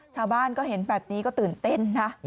ชาวบ้านก็เห็นแบบนี้ก็ตื่นเต้นนะ